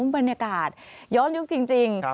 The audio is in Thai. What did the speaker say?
บรรยากาศย้อนยุคจริง